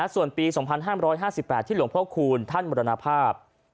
ส่วนปี๒๕๕๘ที่หลวงพ่อคูณท่านมรณภาพ